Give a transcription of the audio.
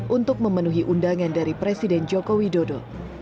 untuk memenuhi undangan dari presiden joko widodo